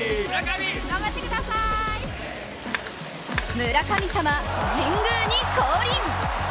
村神様、神宮に降臨。